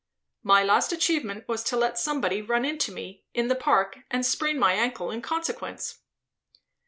"My last achievement was to let somebody run into me, in the Park, and sprain my ankle in consequence."